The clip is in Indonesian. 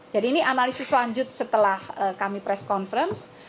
jadi ini analisis lanjut setelah kami press conference